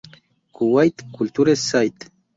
Kuwait Culture site.